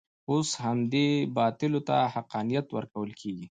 اوس همدې باطلو ته حقانیت ورکول کېږي.